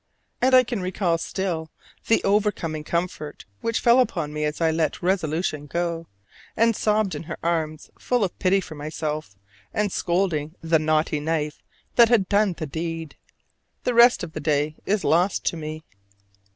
And I can recall still the overcoming comfort which fell upon me as I let resolution go, and sobbed in her arms full of pity for myself and scolding the "naughty knife" that had done the deed. The rest of that day is lost to me.